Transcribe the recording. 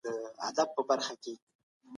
په مادي سرمايه ډېره تکيه مه کوئ.